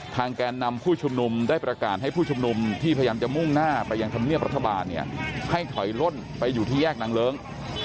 แกนนำผู้ชุมนุมได้ประกาศให้ผู้ชุมนุมที่พยายามจะมุ่งหน้าไปยังธรรมเนียบรัฐบาลเนี่ยให้ถอยล่นไปอยู่ที่แยกนางเลิ้ง